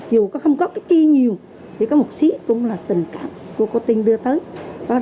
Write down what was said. dù không có cái chi nhiều thì có một xí cũng là tình cảm của cô tinh đưa tới